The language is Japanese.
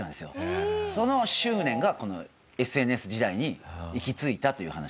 その執念がこのＳＮＳ時代に行き着いたという話。